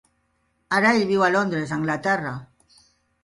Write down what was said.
Ara ell viu a Londres, Anglaterra.